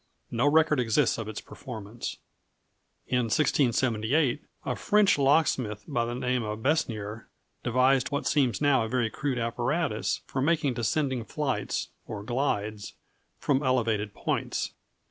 No record exists of its performance. In 1678, a French locksmith by the name of Besnier devised what seems now a very crude apparatus for making descending flights, or glides, from elevated points.